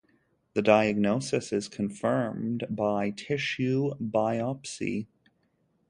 The diagnosis is confirmed by tissue biopsy.